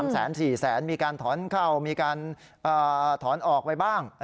๔แสนมีการถอนเข้ามีการถอนออกไปบ้าง